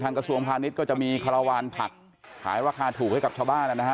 กระทรวงพาณิชย์ก็จะมีคารวาลผักขายราคาถูกให้กับชาวบ้านนะฮะ